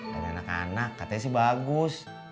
ada anak anak katanya sih bagus